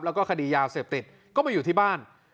แล้วก็คดียาเสพติดก็มาอยู่ที่บ้าน